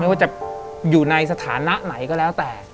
ว่าจะอยู่ในสถานะไหนก็แล้วแต่